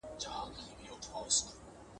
دا وینا له دومره پوچو الفاظو `